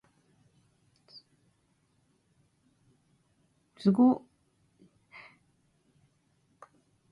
凄惨な阿鼻地獄なのかも知れない、それは、わからない